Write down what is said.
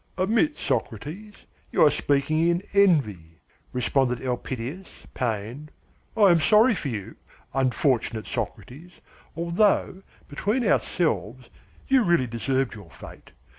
"Admit, Socrates, you are speaking in envy," responded Elpidias, pained. "I am sorry for you, unfortunate Socrates, although, between ourselves, you really deserved your fate.